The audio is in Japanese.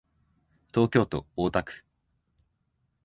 東京都大田区